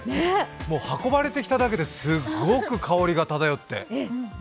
もう運ばれてきただけですごく香りが漂って。